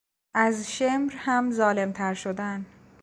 از شمر هم ظالمتر شدن